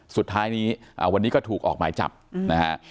สุดท้ายนี้วันนี้ก็ถูกออกหมายจับนะฮะ